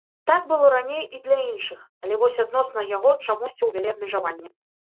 Так было раней і для іншых, але вось адносна яго чамусьці ўвялі абмежаванне.